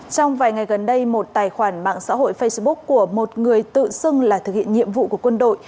trong vài ngày gần đây một tài khoản mạng xã hội facebook của một người tự xưng là thực hiện nhiệm vụ của quân đội